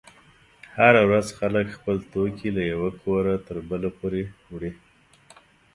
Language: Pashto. هره ورځ خلک خپل توکي له یوه کوره تر بله پورې وړي.